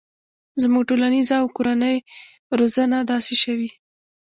زموږ ټولنیزه او کورنۍ روزنه داسې شوي